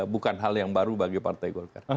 bukan hal yang baru bagi partai golkar